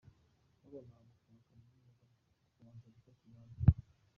Twagombaga gufunga Kaminuza tukabanza gufata umwanzuro.